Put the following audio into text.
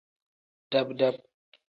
Dab-dab.